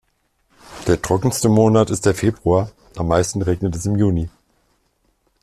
Der trockenste Monat ist der Februar; am meisten regnet es im Juni.